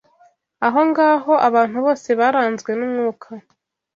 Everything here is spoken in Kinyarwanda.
Ahongaho, abantu bose baranzwe n’umwuka